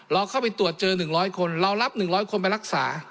เราเข้าไปตรวจเจอ๑๐๐คนเรารับ๑๐๐คนไปรักษา